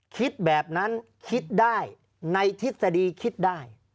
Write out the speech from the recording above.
คิดแบบนั้นคิดได้ในทฤษฎีคิดได้